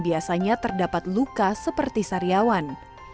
biasanya terdapat luka seperti sariawan